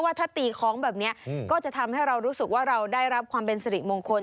ถ้าตีคล้องแบบนี้ก็จะทำให้เรารู้สึกว่าเราได้รับความเป็นสิริมงคล